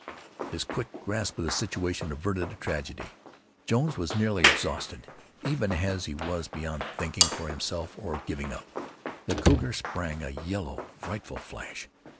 His quick grasp of the situation averted a tragedy. Jones was nearly exhausted, even as he was beyond thinking for himself or giving up. The cougar sprang, a yellow, frightful flash.